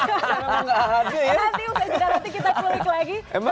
nanti usai cedera nanti kita klik lagi